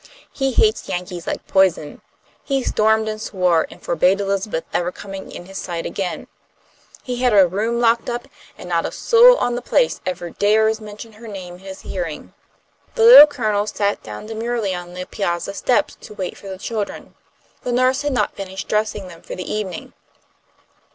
He hates Yankees like poison. He stormed and swore, and forbade Elizabeth ever coming in his sight again. He had her room locked up, and not a soul on the place ever dares mention her name in his hearing." The Little Colonel sat down demurely on the piazza steps to wait for the children. The nurse had not finished dressing them for the evening.